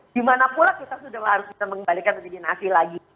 dimana pula kita sudah harus mengembalikan menjadi nasi lagi